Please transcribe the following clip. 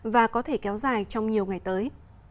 và có thể kéo dài trong nhiều ngày tới